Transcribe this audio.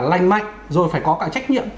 lành mạnh rồi phải có cả trách nhiệm